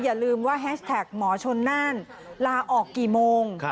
อย่าลืมว่าแฮชแท็กหมอชนน่านลาออกกี่โมง